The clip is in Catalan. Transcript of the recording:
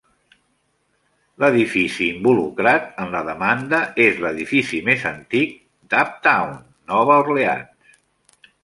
L'edifici involucrat en la demanda és l'edifici més antic d'Uptown Nova Orleans.